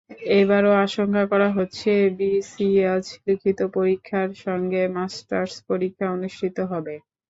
এবারও আশঙ্কা করা হচ্ছে, বিসিএস লিখিত পরীক্ষার সঙ্গে মাস্টার্স পরীক্ষা অনুষ্ঠিত হবে।